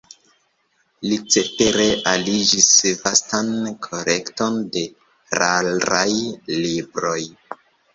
Li cetere arigis vastan kolekton de raraj libroj.